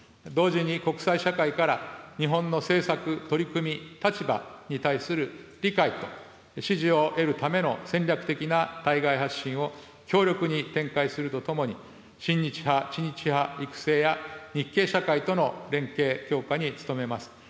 同時に国際社会から日本の政策、取り組み、立場に対する理解と支持を得るための戦略的な対外発信を強力に展開するとともに、親日派、知日派育成や日系社会との連携強化に努めます。